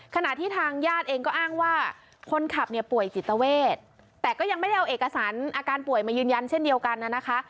ขณะที่ทางญาติเองก็อ้างว่าคนขับเนี่ยป่วยจิตเวทแต่ก็ยังไม่ได้เอาเอกสารอาการป่วยมายืนยันเช่นเดียวกันนะคะ